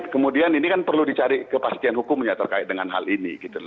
kemudian ini kan perlu dicari kepastian hukumnya terkait dengan hal ini